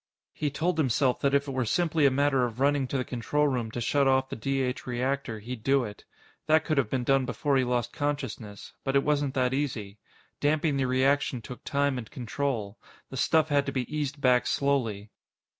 He told himself that if it were simply a matter of running to the control room to shut off the D H reactor, he'd do it. That could have been done before he lost consciousness. But it wasn't that easy. Damping the reaction took time and control. The stuff had to be eased back slowly.